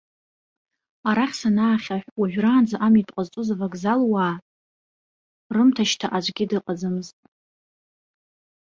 Арахь санаахьаҳә, уажәраанӡа амитә ҟазҵоз авокзалуаа рымҭашьҭа аӡәгьы дыҟаӡамызт.